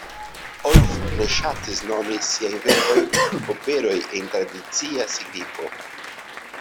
Orff ne ŝatis nomi siajn verkojn "operoj" en tradicia signifo.